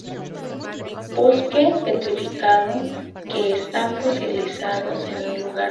Bosque petrificado, que están fosilizados en su lugar de origen.